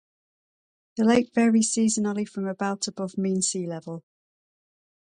The lake varies seasonally from about above mean sea level.